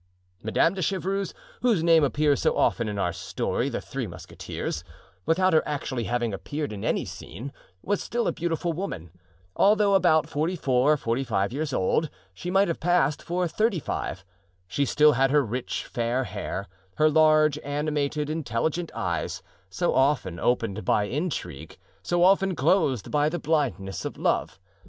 Madame de Chevreuse, whose name appears so often in our story "The Three Musketeers," without her actually having appeared in any scene, was still a beautiful woman. Although about forty four or forty five years old, she might have passed for thirty five. She still had her rich fair hair; her large, animated, intelligent eyes, so often opened by intrigue, so often closed by the blindness of love.